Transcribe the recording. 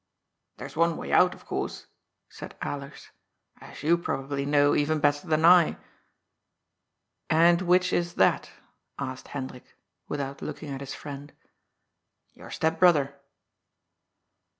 " There is one way out, of course," said Alers. " As yon probably know, even better than I." *'And which is that?" asked Hendrik, without looking at his friend. "Your step brother."